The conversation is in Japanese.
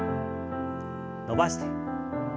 伸ばして。